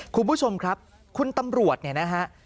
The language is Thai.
คุณผู้ชมครับคุณตำรวจเนี่ยนะฮะ